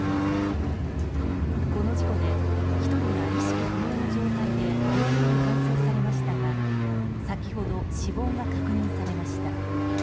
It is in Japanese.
この事故で１人が意識不明の状態で病院に搬送されましたが先ほど、死亡が確認されました。